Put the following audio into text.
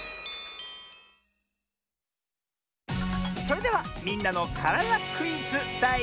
それでは「みんなのからだクイズ」だい３もん！